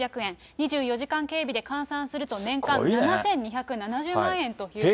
２４時間警備で換算すると、年間７２７０万円ということで。